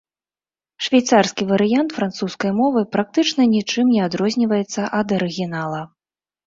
Швейцарскі варыянт французскай мовы практычна нічым не адрозніваецца ад арыгінала.